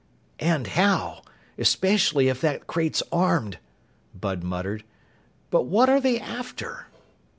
"And how! Especially if that crate's armed!" Bud muttered. "But what are they after?"